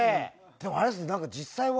でもあれですね。